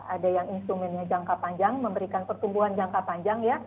ada yang instrumennya jangka panjang memberikan pertumbuhan jangka panjang ya